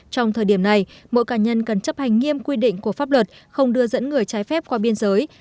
trong thời điểm này mỗi cá nhân cần chấp hành nghiêm quy định của pháp luật không đưa dẫn người trái phép qua biên giới